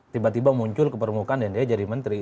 tiba tiba muncul ke permukaan dan dia jadi menteri